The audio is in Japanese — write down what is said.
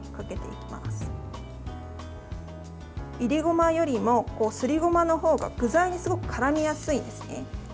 いりごまよりもすりごまのほうが具材にすごくからみやすいんですね。